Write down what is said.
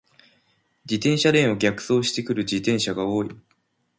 自転車レーンを逆走してくる自転車が多い。